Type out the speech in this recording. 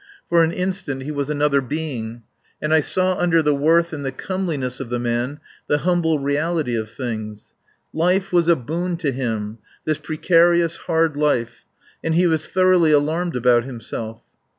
For an instant he was another being. And I saw under the worth and the comeliness of the man the humble reality of things. Life was a boon to him this precarious hard life, and he was thoroughly alarmed about himself.